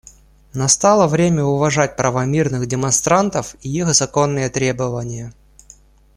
Настало время уважать права мирных демонстрантов и их законные требования.